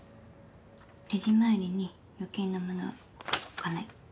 レジ周りに余計なものを置かない。